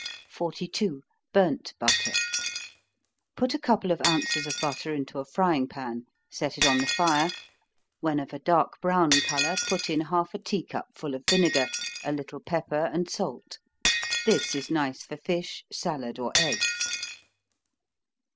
42. Burnt Butter. Put a couple of ounces of butter into a frying pan set it on the fire when of a dark brown color, put in half a tea cup full of vinegar, a little pepper and salt. This is nice for fish, salad, or eggs.